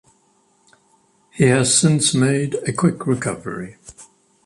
He has since made a quick recovery.